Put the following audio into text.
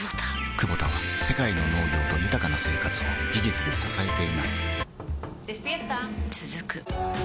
クボタは世界の農業と豊かな生活を技術で支えています起きて。